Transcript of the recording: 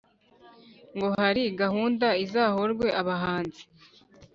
Ngo hari gahunda Izahorwe abahanzi